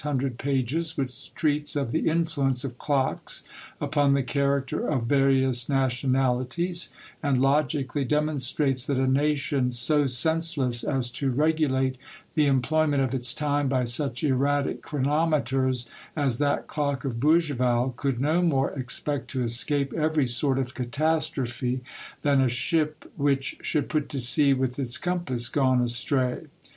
hundred pages, which treats of the influence of clocks upon the character of various nationahties, and logically demonstrates that a nation so sense less as to regulate the employment of its time by such erratic chronometers as that clock of Bougival, could no more expect to escape every sort of catastrophe than a ship which should put to sea with its compass gone astray.